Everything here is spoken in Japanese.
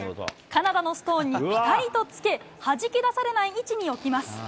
カナダのストーンにぴたりとつけ、はじき出されない位置に置きます。